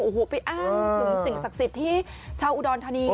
โอ้โหไปอ้างถึงสิ่งศักดิ์สิทธิ์ที่ชาวอุดรธานี